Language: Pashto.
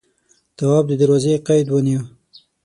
تواب د دروازې قید ونيو.